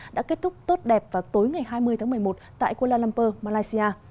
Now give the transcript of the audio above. đã kết thúc tốt đẹp vào tối ngày hai mươi tháng một mươi một tại kuala lumpur malaysia